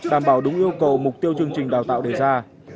đảm bảo đúng yêu cầu mục tiêu chương trình đào tạo đề ra